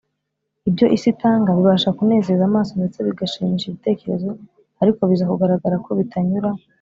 . Ibyo isi itanga bibasha kunezeza amaso ndetse bigashimisha ibitekerezo, ariko biza kugaragara ko bitanyura